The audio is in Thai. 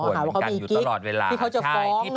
หาว่าเขามีคิดที่เขาจะฟ้อง